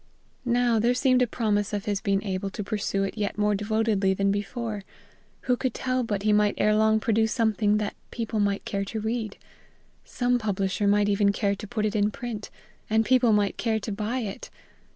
Now there seemed a promise of his being able to pursue it yet more devotedly than before: who could tell but he might ere long produce something that people might care to read? Some publisher might even care to put it in print, and people might care to buy it!